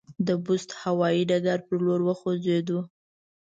د بُست هوایي ډګر پر لور وخوځېدو.